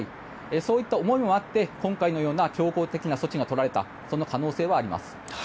そういった思いもあって今回のような強硬的な措置が取られたその可能性はあります。